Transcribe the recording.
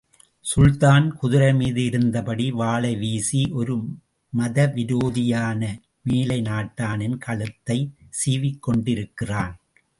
சுல்தான் குதிரை மீது இருந்தபடி, வாளை வீசி, ஒரு மதவிரோதியான மேலை நாட்டானின் கழுத்தைச் சீவிக் கொண்டிருக்கிறான்.